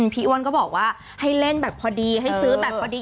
อ้วนก็บอกว่าให้เล่นแบบพอดีให้ซื้อแบบพอดี